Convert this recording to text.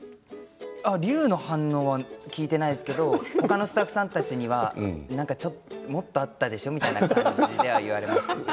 あっ隆の反応は聞いてないですけどほかのスタッフさんたちには何かちょっともっとあったでしょみたいな感じでは言われましたね。